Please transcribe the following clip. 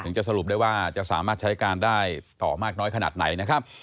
จะสรุปได้ว่าจะสามารถใช้การได้ต่อมากน้อยขนาดไหนนะครับ